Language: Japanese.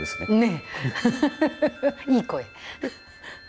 いい声。